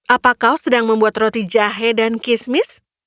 apa kau sedang membuat roti jahe dan kismis